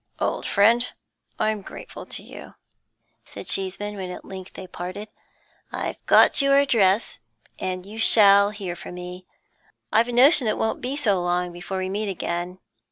'Old friend, I'm grateful to you,' said Cheeseman, when at length they parted. 'I've got your address, and you shall hear from me; I've a notion it won't be so long before we meet again.